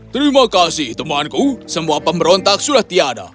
terima kasih temanku semua pemberontak sudah tiada